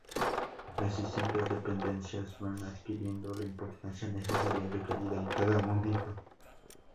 Las distintas dependencias van adquiriendo la importancia necesaria y requerida en cada momento.